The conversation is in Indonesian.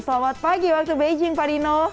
selamat pagi waktu beijing pak dino